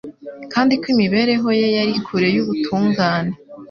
kandi ko imibereho ye yari kure y'ubutungane.